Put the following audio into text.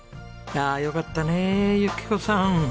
ああよかったね由紀子さん。